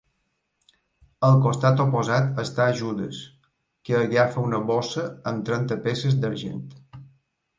Al costat oposat està Judes, que agafa una bossa amb trenta peces d'argent.